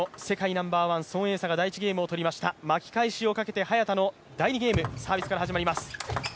ナンバーワン、孫エイ莎が第１ゲームを取りました巻き返しをかけて早田の第２ゲームサービスから始まります。